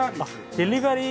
デリバリー？